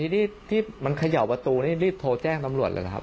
นี่ที่มันเขย่าประตูนี่รีบโทรแจ้งตำรวจเลยนะครับ